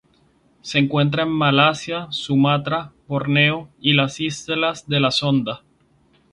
Se encuentra en Malasia, Sumatra, Borneo y las islas de la Sonda.